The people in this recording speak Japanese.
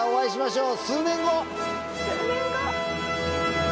数年後！